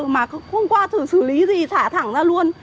mà hôm qua thử xử lý gì xả thẳng ra luôn